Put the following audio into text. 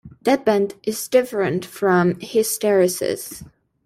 Deadband is different from hysteresis.